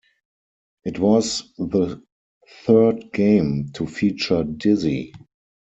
It was the third game to feature Dizzy.